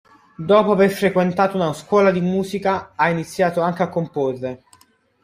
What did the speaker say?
Dopo aver frequentato una scuola di musica, ha iniziato anche a comporre.